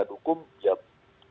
dari kesehatan hukum